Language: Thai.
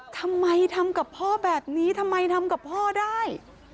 ทำไมทำกับพ่อแบบนี้ทำไมทำกับพ่อได้